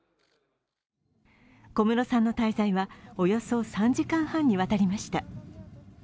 小室さんの滞在は、およそ３時間半にわたりました。